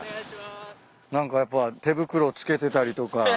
何かやっぱ手袋着けてたりとか。